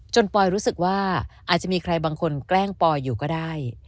ปอยรู้สึกว่าอาจจะมีใครบางคนแกล้งปอยอยู่ก็ได้